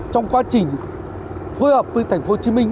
trong quá trình phối hợp với thành phố hồ chí minh